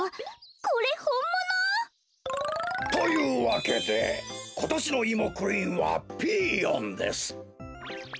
これほんもの！？というわけでことしのイモクイーンはピーヨンです。